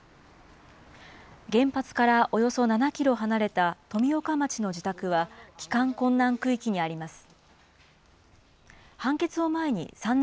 原発からおよそ７キロ離れた富岡町の自宅は帰還困難区域にあります。